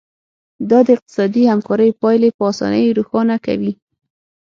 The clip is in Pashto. دا د اقتصادي همکاریو پایلې په اسانۍ روښانه کوي